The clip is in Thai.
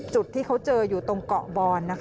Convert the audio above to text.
จุดที่เขาเจออยู่ตรงเกาะบอน